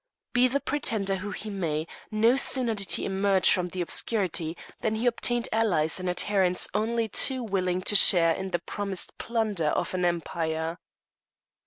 Be the pretender who he may, no sooner did he emerge from obscurity than he obtained allies and adherents only too willing to share in the promised plunder of an empire.